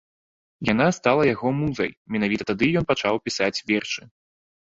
Яна стала яго музай, менавіта тады ён пачаў пісаць вершы.